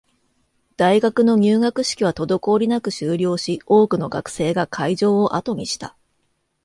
大学の入学式は滞りなく終了し、多くの学生が会場を後にした